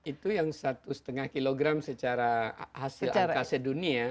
itu yang satu setengah kilogram secara hasil angkasa dunia